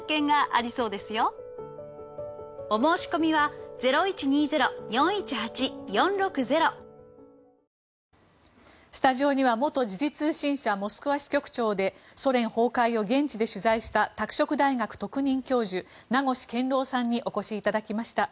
同じ頃東部のクラマトルシク駅でスタジオには元時事通信社モスクワ支局長でソ連崩壊を現地で取材した拓殖大学特任教授名越健郎さんにお越しいただきました。